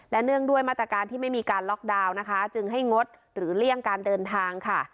เนื่องด้วยมาตรการที่ไม่มีการล็อกดาวน์นะคะจึงให้งดหรือเลี่ยงการเดินทางค่ะ